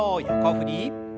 横振り。